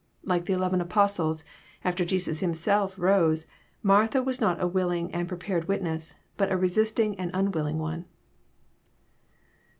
Like the eleven Apostles, after Jesus Himself rose, Martha was not a willing and prepared witness, but a resisting and unwilling one.